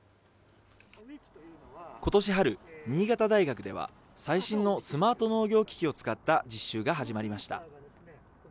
ことし春、新潟大学では、最新のスマート農業機器を使った実習が始まりました。